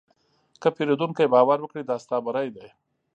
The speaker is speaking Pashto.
که پیرودونکی باور وکړي، دا ستا بری دی.